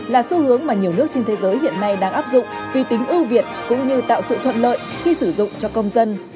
là xu hướng mà nhiều nước trên thế giới hiện nay đang áp dụng vì tính ưu việt cũng như tạo sự thuận lợi khi sử dụng cho công dân